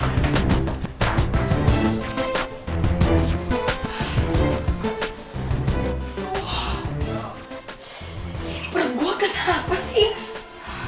ini berat gue kenapa sih